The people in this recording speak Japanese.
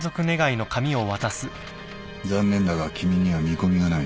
残念だが君には見込みがない。